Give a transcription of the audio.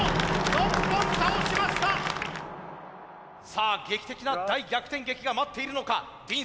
さあ劇的な大逆転劇が待っているのかＤンソー。